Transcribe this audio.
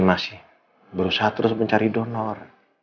masih berusaha terus mencari donor